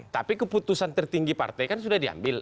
tapi keputusan tertinggi partai kan sudah diambil